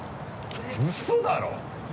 ウソだろ？